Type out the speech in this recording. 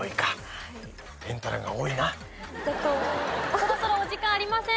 そろそろお時間ありません。